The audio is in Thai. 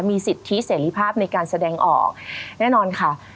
มีสิทธิเสรีภาพในการแสดงออกแน่นอนค่ะ